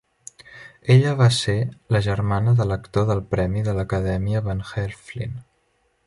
Ella va ser la germana de l'actor del premi de l'Acadèmia Van Heflin.